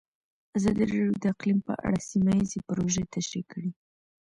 ازادي راډیو د اقلیم په اړه سیمه ییزې پروژې تشریح کړې.